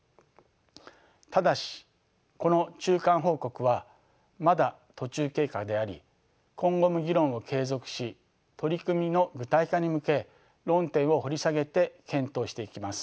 ただしこの中間報告はまだ途中経過であり今後も議論を継続し取り組みの具体化に向け論点を掘り下げて検討していきます。